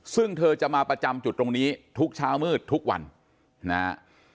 ซึ่งเธอจะมาประจำจุดตรงนี้ทุกเช้ามืดทุกวันนะฮะ